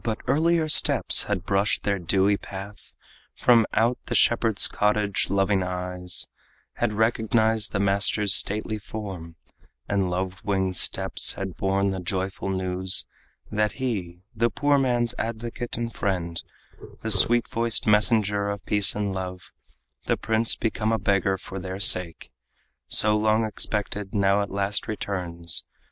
But earlier steps had brushed their dewy path. From out the shepherd's cottage loving eyes Had recognized the master's stately form, And love winged steps had borne the joyful news That he, the poor man's advocate and friend, The sweet voiced messenger of peace and love, The prince become a beggar for their sake, So long expected, now at last returns.